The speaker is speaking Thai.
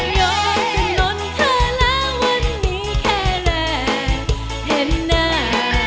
ยอมจะนนเธอแล้ววันนี้แค่แรกเห็นหน้า